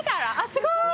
すごい！